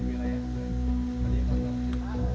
berjalan terus berjalan